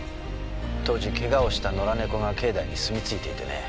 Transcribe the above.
当時ケガをした野良猫が境内にすみついていてね。